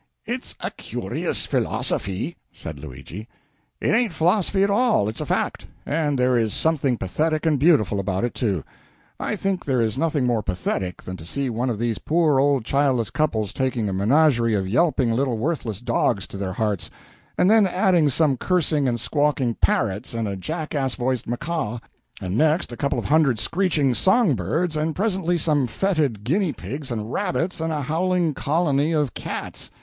"It's a curious philosophy," said Luigi. "It ain't a philosophy at all it's a fact. And there is something pathetic and beautiful about it, too. I think there is nothing more pathetic than to see one of these poor old childless couples taking a menagerie of yelping little worthless dogs to their hearts; and then adding some cursing and squawking parrots and a jackass voiced macaw; and next a couple of hundred screeching song birds, and presently some fetid guinea pigs and rabbits, and a howling colony of cats.